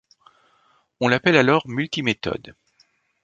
On l'appelle alors multiméthode.